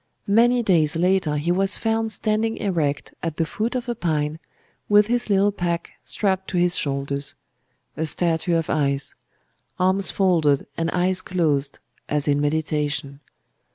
Many days later he was found standing erect at the foot of a pine, with his little pack strapped to his shoulders: a statue of ice—arms folded and eyes closed as in meditation.